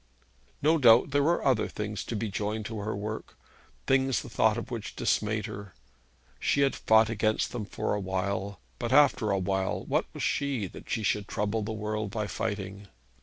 No doubt there were other things to be joined to her work, things the thought of which dismayed her. She had fought against them for a while; but, after all, what was she, that she should trouble the world by fighting?